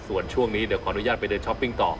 ส่วนช่วงนี้เดี๋ยวขออนุญาตไปเดินช้อปปิ้งต่อ